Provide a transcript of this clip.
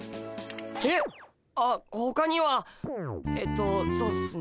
えっ？あほかにはえっとそうっすね